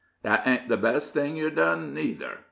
"That ain't the best thing yer dun, neither!"